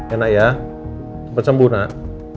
enak ya tempat sembuh nak